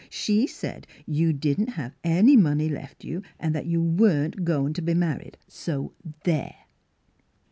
She said you didn't have money left you and that you weren't goin' t' be married. So there!